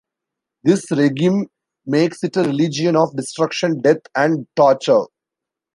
This regime makes it a religion of destruction, death, and torture.